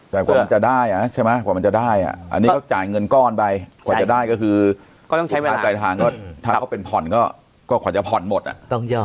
แต่กว่ามันจะได้อ่ะใช่ไหมกว่ามันจะได้อ่ะอันนี้เขาจ่ายเงินก้อนไปกว่าจะได้ก็คือค่าปลายทางก็ถ้าเขาเป็นผ่อนก็กว่าจะผ่อนหมดอ่ะต้องยอด